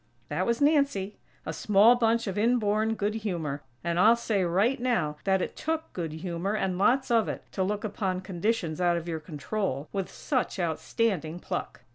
_" That was Nancy; a small bunch of inborn good humor; and I'll say, right now, that it took good humor, and lots of it, to look upon conditions out of your control, with such outstanding pluck!